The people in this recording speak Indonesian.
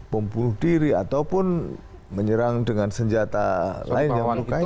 pembunuh diri ataupun menyerang dengan senjata lain yang melukai